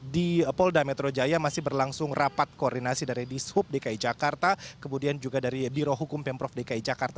di polda metro jaya masih berlangsung rapat koordinasi dari dishub dki jakarta kemudian juga dari birohukum pemprov dki jakarta